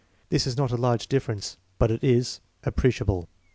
This is not a large difference, but it is appreciable.